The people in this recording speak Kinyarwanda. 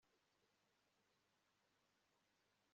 ndinda ndenga i karama